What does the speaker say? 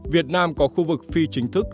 việt nam có khu vực phi chính thức